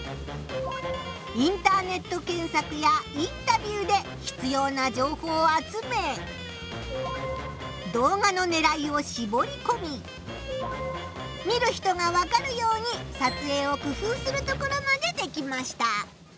インターネット検索やインタビューでひつような情報を集め動画のねらいをしぼりこみ見る人がわかるように撮影を工夫するところまでできました。